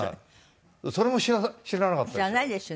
それも知らなかったんですよ。